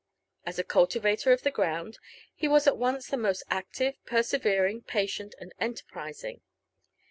As a cultivator of the ground, he was at once the most active, persevering, patient, and enterprising.